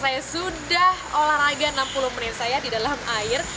saya sudah olahraga enam puluh menit saya di dalam air